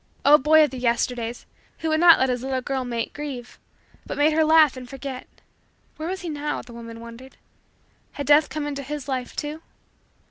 Oh, boy of the Yesterdays, who would not let his little girl mate grieve but made her laugh and forget! Where was he now? The woman wondered. Had Death come into his life, too?